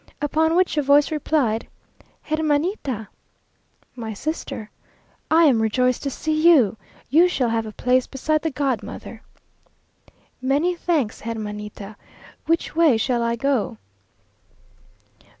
Upon which a voice replied "Hermanita (my sister), I am rejoiced to see you. You shall have a place beside the godmother." "Many thanks, Hermanita. Which way shall I go?"